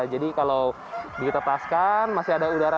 jadi kalau ditetaskan masih ada udara